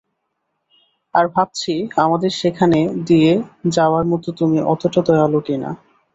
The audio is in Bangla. আর ভাবছি আমাদের সেখানে নিয়ে যাওয়ার মতো তুমি অতটা দয়ালু কিনা!